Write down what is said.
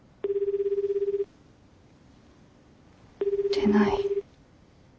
出ない。